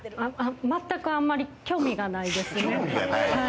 全く、あんまり興味がないですね。